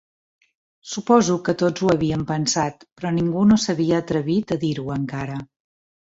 Suposo que tots ho havíem pensat però ningú no s'havia atrevit a dir-ho, encara.